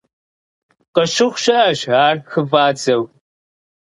Къыщыхъу щыӀэщ ар хыфӀадзэу.